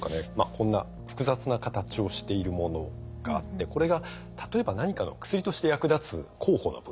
こんな複雑な形をしているものがあってこれが例えば何かの薬として役立つ候補の物質だと思って下さい。